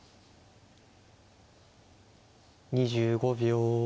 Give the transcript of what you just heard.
２５秒。